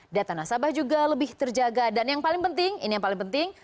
data nasabah juga lebih terjaga dan yang paling penting ini yang paling penting